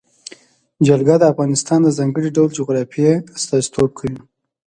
جلګه د افغانستان د ځانګړي ډول جغرافیه استازیتوب کوي.